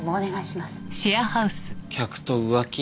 客と浮気？